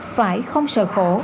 phải không sợ khổ